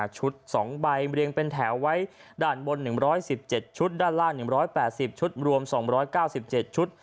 ชุด๒ใบเรียงเป็นแถวไว้ด้านบน๑๑๗ชุดด้านล่าง๑๘๐ชุดรวม๒๙๗ชุด